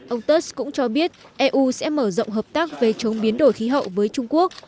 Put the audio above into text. ông test cũng cho biết eu sẽ mở rộng hợp tác về chống biến đổi khí hậu với trung quốc